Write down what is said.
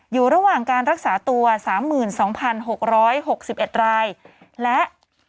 อยู่ระหว่างการรักษาตัวสามหมื่นสองพันหกร้อยหกสิบเอ็ดรายและ